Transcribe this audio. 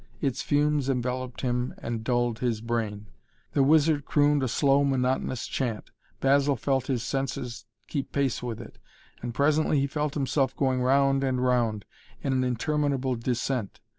Its fumes enveloped him and dulled his brain. The wizard crooned a slow, monotonous chant. Basil felt his senses keep pace with it, and presently he felt himself going round and round in an interminable descent.